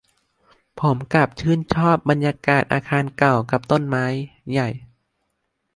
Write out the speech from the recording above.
ผมกลับชื่นชอบบรรยากาศอาคารเก่ากับต้นไม้ใหญ่